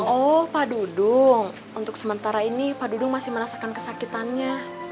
oh pak dudung untuk sementara ini pak dudung masih merasakan kesakitannya